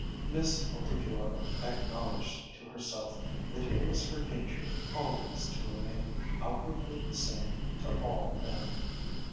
Miss Altifiorla acknowledged to herself that it was her nature always to remain outwardly the same to all men.